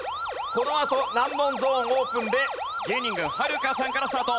このあと難問ゾーンオープンで芸人軍はるかさんからスタート。